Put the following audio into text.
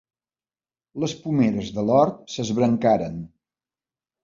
Les pomeres de l'hort s'esbrancaren.